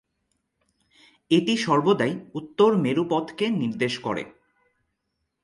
এটি সর্বদাই উত্তর মেরু পথকে নির্দেশ করে।